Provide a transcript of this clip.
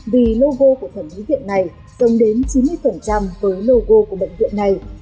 vì logo của thẩm mỹ viện này cầm đến chín mươi với logo của bệnh viện này